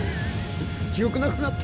記憶なくなった？